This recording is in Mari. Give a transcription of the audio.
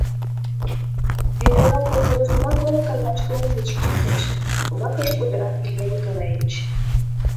— «Ӱжара» колхозыштына коло кандаш коммунист шотлалтеш, — умбакыже кутыра Илья Николаевич.